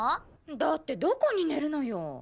だってどこに寝るのよ。